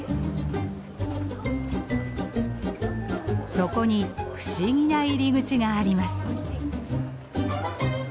そこに不思議な入り口があります。